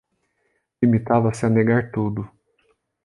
Limitava-se a negar tudo.